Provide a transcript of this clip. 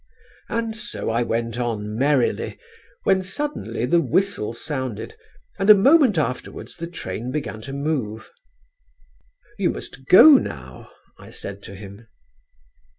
And so I went on merrily, when suddenly the whistle sounded and a moment afterwards the train began to move. "'You must go now,' I said to him.